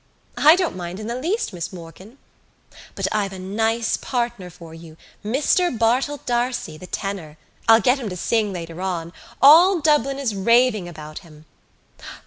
"I don't mind in the least, Miss Morkan." "But I've a nice partner for you, Mr Bartell D'Arcy, the tenor. I'll get him to sing later on. All Dublin is raving about him."